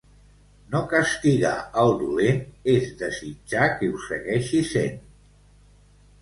No castigar el dolent és desitjar que ho segueixi sent.